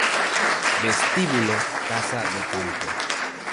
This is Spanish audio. Vestíbulo Casa de Campo